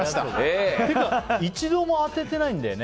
一度も当ててないんだよね。